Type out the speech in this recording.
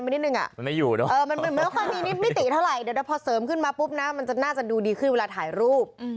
เดี๋ยวพอเสริมขึ้นมามันอาจจะดูดีขึ้นกับเวลาถ่ายรูป